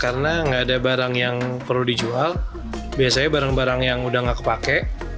karena nggak ada barang yang perlu dijual biasanya barang barang yang udah nggak kepake